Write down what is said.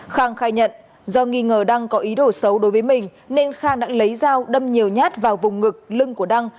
khang khai nhận do nghi ngờ đang có ý đồ xấu đối với mình nên khang đã lấy dao đâm nhiều nhát vào vùng ngực lưng của đăng